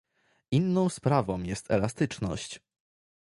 Inną sprawą jest elastyczność